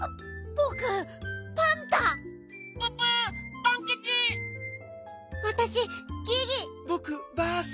ぼくバース。